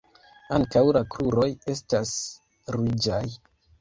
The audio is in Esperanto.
Ankaŭ la kruroj estas ruĝaj.